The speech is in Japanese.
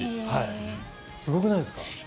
すごくないですか？